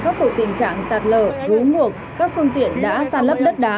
khắc phục tình trạng sạt lờ rú ngược các phương tiện đã sàn lấp đất đá